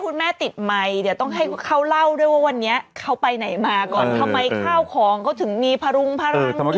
คือมานั่งถึงนั่นนี่นี่อ้าวของนี่แฮกขึ้นหอยจอ